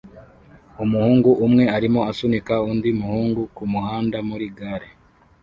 Umuhungu umwe arimo asunika undi muhungu kumuhanda muri gare